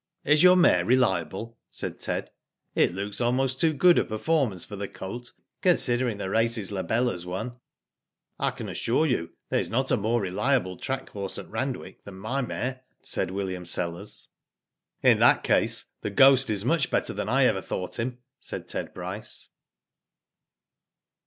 Is your mare reliable?" said Ted. It looks almost too good a performance for the colt, con sidering the races La Belle has won." Digitized byGoogk 2i8 WHO DID ITf *' I can assure you there is not a more reliable track horse at Randwick than my mare/' said William Sellers. ''In that case The Ghost is much better than I ever thought him/' said Ted Bryce.